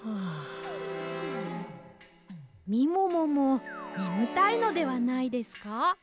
みもももねむたいのではないですか？